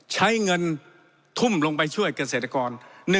ใช้เงินทุ่มลงไปช่วยเกษตรกร